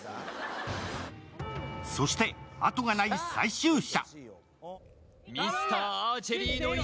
そして、あとがない最終射。